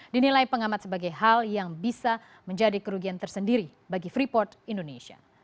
dinilai pengamat sebagai hal yang bisa menjadi kerugian tersendiri bagi freeport indonesia